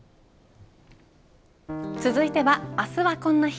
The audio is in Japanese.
続いては、あすはこんな日。